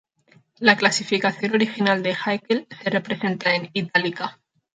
La clasificación original de Haeckel se representa en "itálica".